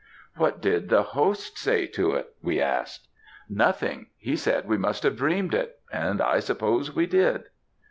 "What did the host say to it?" we asked. "Nothing; he said we must have dreamed it and I suppose we did."